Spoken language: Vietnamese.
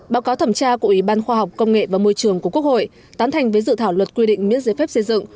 báo cáo thẩm tra của ủy ban khoa học công nghệ và môi trường của quốc hội tán thành với dự thảo luật quy định miễn giấy phép xây dựng